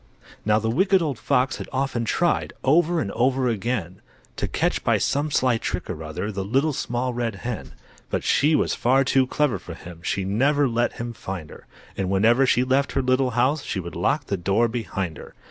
Now, the Wicked Old Fox had often tried Over and over again, To catch by some sly trick or other The Little Small Red Hen. But she was far too clever for him, She never let him find her, And whenever she left her little house She would lock the door behind her.